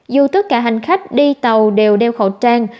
dù tất cả hành khách đi tàu đều đeo khẩu trang